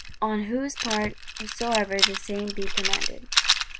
"on whose part soever the same be commanded."